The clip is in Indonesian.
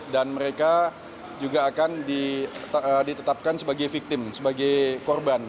dan mereka juga akan ditetapkan sebagai victim sebagai korban